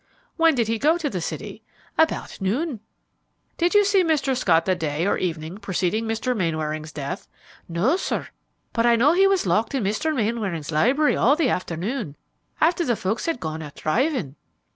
"When did he go to the city?" "About noon." "Did you see Mr. Scott the day or evening preceding Mr. Mainwaring's death?" "No, sir; but I know he was locked in Mr. Mainwaring's library all the afternoon, after the folks had gone out driving."